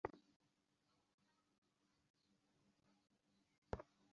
তাঁর সঙ্গে তো রোজই আমার দেখা হয়।